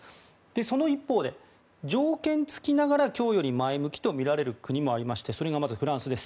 その一方で、条件付きながら供与に前向きな国もありましてそれがまずフランスです。